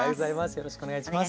よろしくお願いします。